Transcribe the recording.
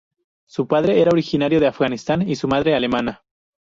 Su padre era originario de Afganistán y su madre, alemana.